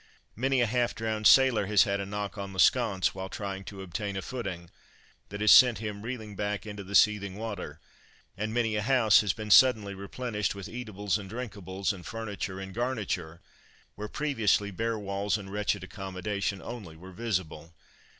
Many a half drowned sailor has had a knock on the sconce whilst trying to obtain a footing, that has sent him reeling back into the seething water, and many a house has been suddenly replenished with eatables and drinkables, and furniture and garniture, where previously bare walls and wretched accommodation only were visible.